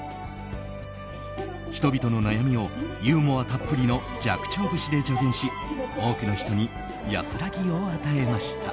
人々の悩みをユーモアたっぷりの寂聴節で助言し多くの人に安らぎを与えました。